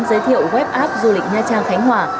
giới thiệu web app du lịch nha trang khánh hòa